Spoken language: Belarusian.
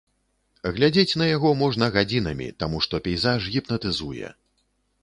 Глядзець на яго можна гадзінамі, таму што пейзаж гіпнатызуе.